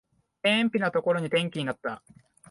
辺ぴなところに転勤になった